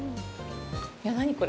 いや、何これ。